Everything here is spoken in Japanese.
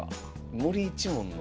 森一門の？